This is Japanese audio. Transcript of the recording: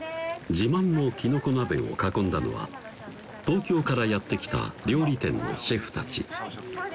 自慢のきのこ鍋を囲んだのは東京からやって来た料理店のシェフたち